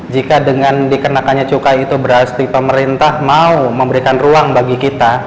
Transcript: jika dengan dikenakannya cukai itu berarti pemerintah mau memberikan ruang bagi kita